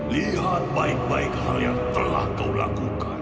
lihat baik baik hal yang telah kau lakukan